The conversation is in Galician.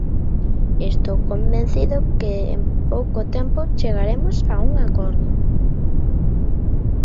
Estou convencido de que en pouco tempo chegaremos a un acordo.